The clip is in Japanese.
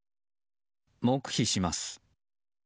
黙秘します。